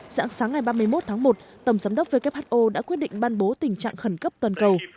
sáng sáng ngày ba mươi một tháng một tổng giám đốc who đã quyết định ban bố tình trạng khẩn cấp toàn cầu